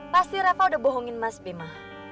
pasti reva udah bohongin mas bek ma